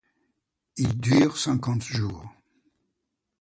Il dure cinquante jours.